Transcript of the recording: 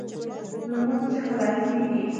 لمونځ چې خلاصېږي.